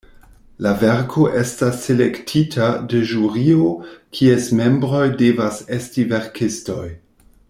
La verko estas selektita de ĵurio, kies membroj devas esti verkistoj.